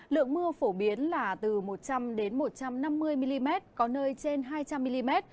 lượng mưa phổ biến là từ một trăm linh một trăm năm mươi mm có nơi trên hai trăm linh mm